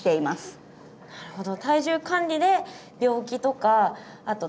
あなるほど。